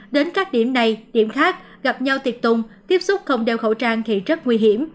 đến các điểm này điểm khác gặp nhau tiệc tùng tiếp xúc không đeo khẩu trang thì rất nguy hiểm